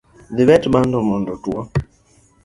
Dhibet bando mondo otwo.